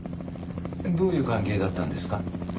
どういう関係だったんですか？